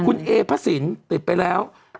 คุณเอพระสินติดไปแล้ว